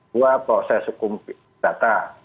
dua proses hukum pidata